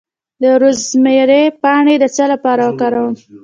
د روزمیری پاڼې د څه لپاره وکاروم؟